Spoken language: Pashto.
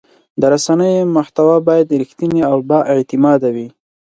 د رسنیو محتوا باید رښتینې او بااعتماده وي.